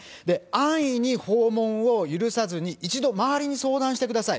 安易に訪問を許さずに、一度、周りに相談してください。